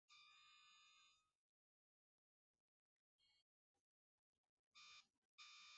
এটি ইরানের রাজধানী তেহরান থেকে দুরে ইরানের পশ্চিম অংশে অবস্থিত।